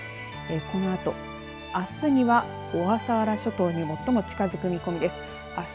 このあと、あすには小笠原諸島に最も近づく見込みです。